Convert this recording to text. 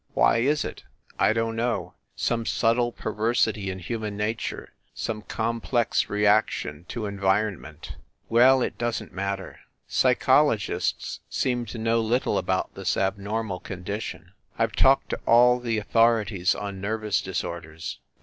Why is it? I don t know some subtle perversity in human nature, some complex reaction to environ ment well, it doesn t matter. Psychologists seem to know little about this abnormal condition. I ve talked to all the authorities on nervous disorders. Dr.